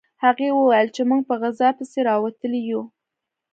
هغوی وویل چې موږ په غذا پسې راوتلي یو